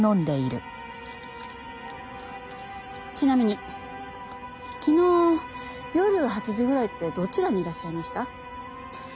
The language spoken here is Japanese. ちなみに昨日夜８時ぐらいってどちらにいらっしゃいました？